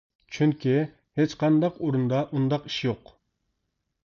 چۈنكى ھېچقانداق ئورۇندا ئۇنداق ئىش يوق.